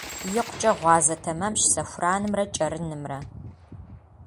ИкъукӀэ гъуазэ тэмэмщ сэхуранымрэ кӀэрынымрэ.